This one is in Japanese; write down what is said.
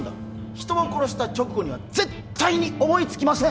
人を殺した直後には絶対に思いつきません！